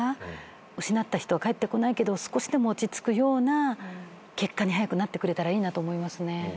失った人は帰ってこないけど少しでも落ち着くような結果に早くなってくれたらいいなと思いますね。